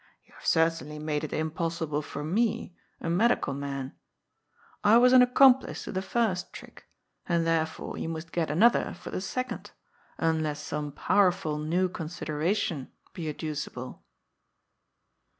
You have certainly made it impossible for me, a medical man. I was an accomplice to the first trick, and therefore 878 GOD'S FOOL. yon must get another for the secondy unless some powerfol new consideration be addacible."